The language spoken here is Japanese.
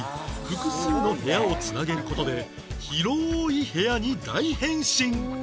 複数の部屋を繋げる事で広い部屋に大変身！